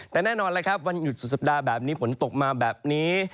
แต่แน่นอนแล้วครับวันหยุดสุดสัปดาห์แบบนี้ฝนตกมาแบบนี้